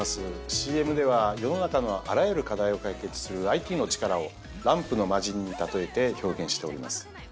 ＣＭでは世の中のあらゆる課題を解決するＩＴの力をランプの魔神に例えて表現しております。